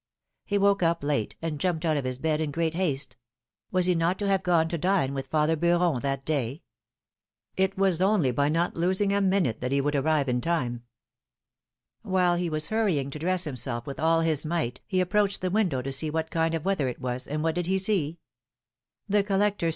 He woke up late, and jumped out of his bed in great haste. Was he not to have gone to dine with father Beuron that day ? It was only by not losing a minute that he would arrive in time. While he was hurrying to dress himself with all his might, he approached the window to see what kind of weather it was, and what did he see? The collector's 804 philom£:ne's mareiages.